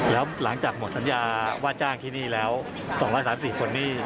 แล้วหลังจากหมดสัญญาว่าจ้างที่นี่แล้ว๒๓๔คนนี่